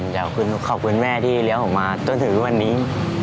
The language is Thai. อยากขอบคุณแม่ที่เลี้ยงผมมาจนถึงวันนี้